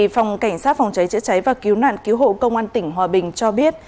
phòng cảnh sát phòng cháy chữa cháy và cứu nạn cứu hộ công an tỉnh hòa bình cho biết